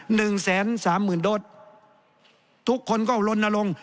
หนึ่งแสนสามหมื่นโดสทุกคนก็ลนลง